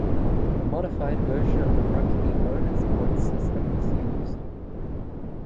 A modified version of the rugby bonus points system was used.